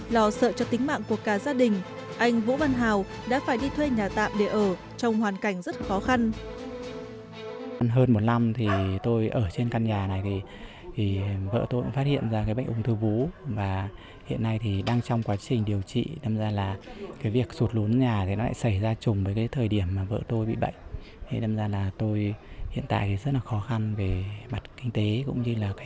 lo sợ cho tính mạng của cả gia đình anh vũ văn hào đã phải đi thuê nhà tạm để ở trong hoàn cảnh rất khó khăn